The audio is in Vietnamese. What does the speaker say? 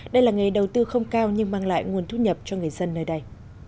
đây là nghề đầu tư không cao nhưng mang lại nguồn thu nhập cho người dân nơi đây